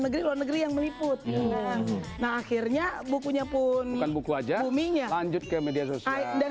negeri luar negeri yang meliput nah akhirnya bukunya pun bukan buku aja uminya lanjut ke media sosial dan